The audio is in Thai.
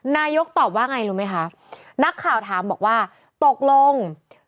นายกตอบว่าไงรู้ไหมคะนักข่าวถามบอกว่าตกลง